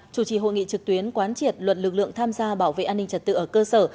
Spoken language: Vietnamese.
chủ trì hội nghị trực tuyến quán triệt luật lực lượng tham gia bảo vệ an ninh trật tự ở cơ sở